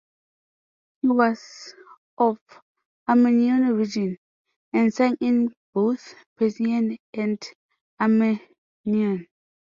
He was of Armenian origin, and sang in both Persian and Armenian.